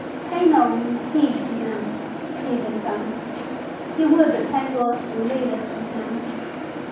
"Pay nao heed to him!" Pete intoned. "He would but tangle us an' lead us from him."